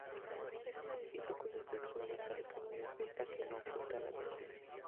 Es un edificio cuya estructura metálica muy esbelta que no oculta la visión.